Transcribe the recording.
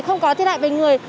không có thiệt hại về người